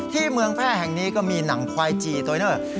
ที่เมืองแพร่แห่งนี้ก็มีหนังควายจีโตเนอร์